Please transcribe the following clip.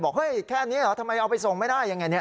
บอกเฮ้ยแค่นี้เหรอทำไมเอาไปส่งไม่ได้อย่างไร